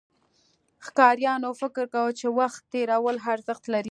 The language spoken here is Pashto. ښکاریانو فکر کاوه، چې وخت تېرول ارزښت لري.